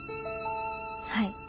はい。